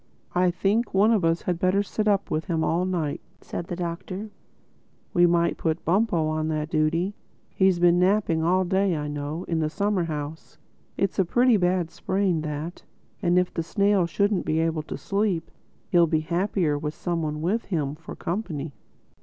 "I think one of us had better sit up with him all night," said the Doctor. "We might put Bumpo on that duty; he's been napping all day, I know—in the summer house. It's a pretty bad sprain, that; and if the snail shouldn't be able to sleep, he'll be happier with some one with him for company.